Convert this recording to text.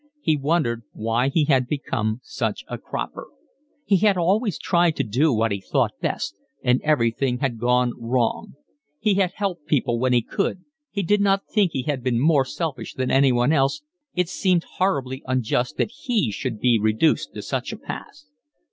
He wondered why he had come such a cropper. He had always tried to do what he thought best, and everything had gone wrong. He had helped people when he could, he did not think he had been more selfish than anyone else, it seemed horribly unjust that he should be reduced to such a pass.